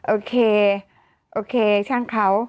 โอเคโอเคช่างเขา